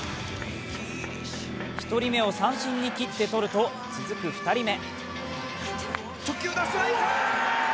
１人目を三振に切って取ると、続く２人目。